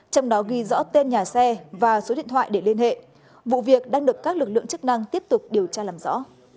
trong đó ghi rõ tên nhà xe và số điện thoại để liên hệ vụ việc đang được các lực lượng chức năng tiếp tục điều tra làm rõ